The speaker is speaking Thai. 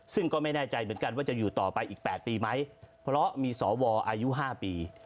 ซึ่งก็ไม่แน่ใจเหมือนกันว่าจะอยู่ต่อไปอีก๘ปีไหมเพราะมีสวอายุ๕ปี